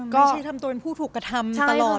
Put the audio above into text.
ก็คือทำตัวเป็นผู้ถูกกระทำตลอด